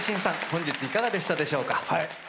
本日いかがでしたでしょうか？